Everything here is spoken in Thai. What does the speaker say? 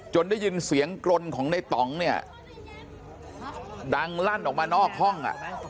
ได้ยินเสียงกรนของในต่องเนี่ยดังลั่นออกมานอกห้อง